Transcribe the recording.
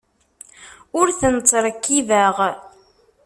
Ur ten-ttṛekkibeɣ.